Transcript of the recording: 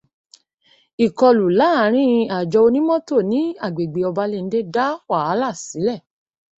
Ìkọlù láàrin àjọ onímọ́tò ní agbègbè Obalende dá wàhálà sílẹ̀.